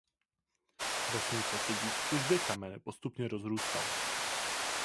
Vesnice se díky těžbě kamene postupně rozrůstala.